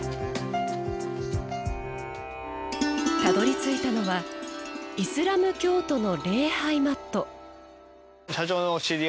たどり着いたのはイスラム教徒の礼拝マット。